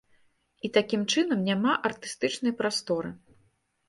І такім чынам няма артыстычнай прасторы.